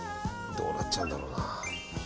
どうなっちゃうんだろうな。